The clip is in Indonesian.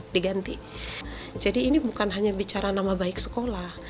terutama keluarga dan sekolah